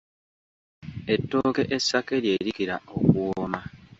Ettooke essake lye likira okuwooma.